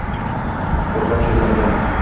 G’urbat yo’llaridan ‘